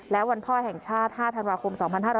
และวันพ่อแห่งชาติ๕ธันวาคม๒๕๕๙